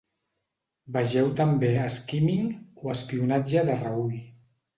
Vegeu també skimming o espionatge de reüll.